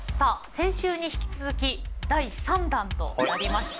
先週に引き続き第３弾となりました。